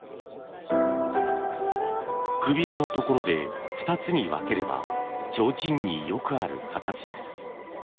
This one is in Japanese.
くびれのところで２つに分ければ提灯によくある形です。